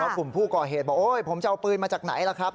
กลุ่มผู้ก่อเหตุบอกโอ๊ยผมจะเอาปืนมาจากไหนล่ะครับ